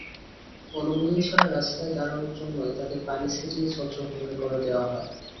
অনুমোদন ছাড়া রাস্তায় দাঁড়ানোর জন্যই তাঁদের পানি ছিটিয়ে ছত্রভঙ্গ করে দেওয়া হয়।